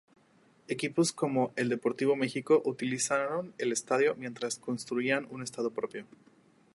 Equipos como el Deportivo Mixco utilizaron el estadio mientras construían un estadio propio.